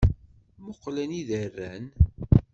Muqel anida i rran.